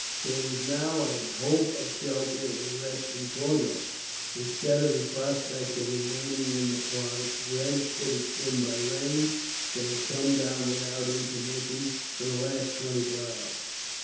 There was now a hope of shelter and rest in Torgau, instead of the prospect of remaining in the forest, drenched to the skin by the rain that had come down, without intermission, for the last twenty four hours.